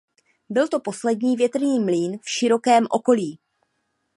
Byl to poslední větrný mlýn v širokém okolí.